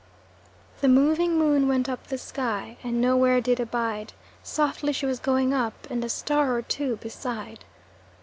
"The moving Moon went up the sky, And nowhere did abide: Softly she was going up, And a star or two beside."